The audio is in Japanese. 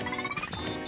ピー！